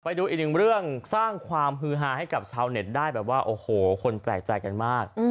ไปดูอีกหนึ่งเรื่องสร้างความฮือฮาให้กับชาวเน็ตได้แบบว่าโอ้โหคนแปลกใจกันมาก